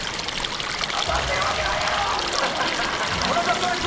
◆当たってるわけないやろ！